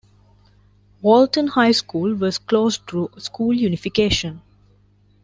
Walton High School was closed through school unification.